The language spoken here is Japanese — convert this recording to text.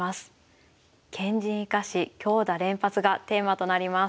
「堅陣生かし強打連発」がテーマとなります。